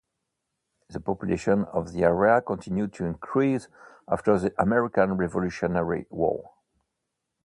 The population of the area continued to increase after the American Revolutionary War.